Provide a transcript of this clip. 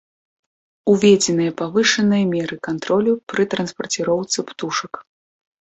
Уведзеныя павышаныя меры кантролю пры транспарціроўцы птушак.